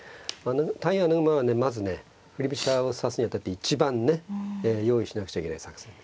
対穴熊はねまずね振り飛車を指すにあたって一番ね用意しなくちゃいけない作戦ですよね。